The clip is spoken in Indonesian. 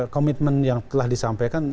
komitmen yang telah disampaikan